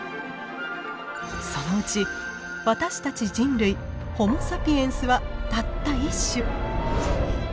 そのうち私たち人類ホモ・サピエンスはたった１種。